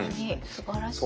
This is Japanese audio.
すばらしい。